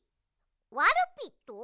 ワルピット？